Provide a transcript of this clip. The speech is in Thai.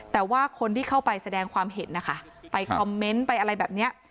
แต่ว่าคนที่เข้าไปแสดงความเห็นนะคะไปคอมเมนต์ไปอะไรแบบเนี้ย